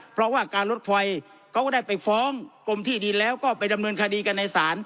เพราะว่าการรถไฟเขาก็ได้ไปฟ้องกรมที่ดินแล้วก็ไปดำเนินคดีกันในศาล